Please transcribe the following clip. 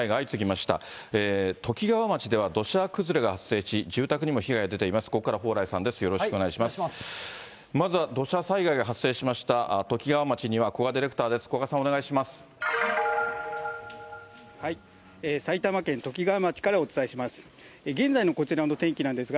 まず土砂災害が発生しましたときがわ町には古賀ディレクターです。